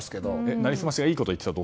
なりすましがいいことを言ってたら？